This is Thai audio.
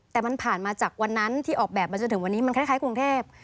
แต่มันผ่านมาจากวันนั้นที่ออกแบบมาจนถึงวันนี้มันคล้ายกรุงเทพ